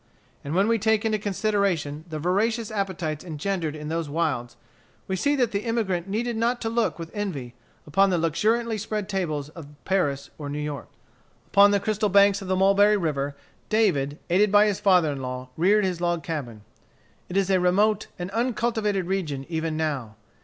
And when we take into consideration the voracious appetites engendered in those wilds, we shall see that the emigrant needed not to look with envy upon the luxuriantly spread tables of Paris or New York. Upon the crystal banks of the Mulberry River, David, aided by his father in law, reared his log cabin. It is a remote and uncultivated region even now.